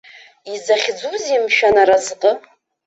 Изахьӡузеи мшәан аразҟы?